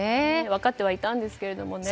分かってはいたんですがね。